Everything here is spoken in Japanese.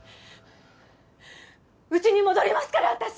うちに戻りますから私。